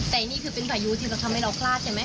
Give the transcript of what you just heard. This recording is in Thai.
แต่นี่คือเป็นพายุที่เราทำให้เราพลาดใช่ไหม